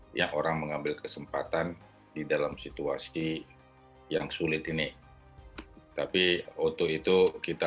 banyak orang mengambil kesempatan di dalam situasi yang sulit ini tapi untuk itu kita